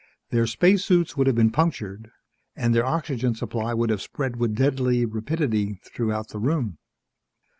Their spacesuits would have been punctured and their oxygen supply would have spread with deadly rapidity throughout the room.